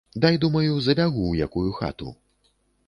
Дай, думаю, забягу ў якую хату.